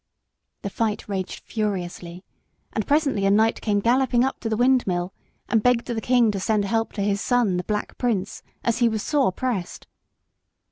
The fight raged furiously, and presently a knight came galloping up to the windmill and begged the king to send help to his son, the Black Prince, as he was sore pressed.